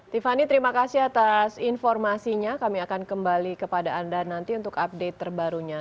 tiffany terima kasih atas informasinya kami akan kembali kepada anda nanti untuk update terbarunya